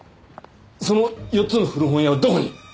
その４つの古本屋はどこに？